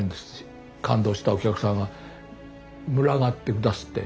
感動したお客さんが群がって下すって。